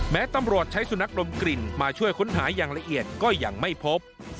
ตำรวจใช้สุนัขดมกลิ่นมาช่วยค้นหาอย่างละเอียดก็ยังไม่พบ